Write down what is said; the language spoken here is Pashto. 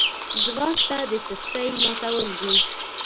ځغاسته د سستۍ ماتول دي